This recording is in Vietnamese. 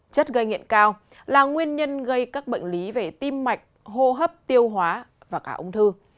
chất gây nghiện cao là nguyên nhân gây các bệnh lý về tim mạch hô hấp tiêu hóa và cả ung thư